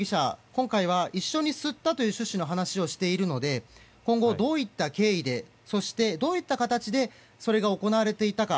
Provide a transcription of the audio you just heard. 今回は一緒に吸ったという趣旨の話をしているので今後、どういった経緯でそして、どういった形でそれが行われていたか。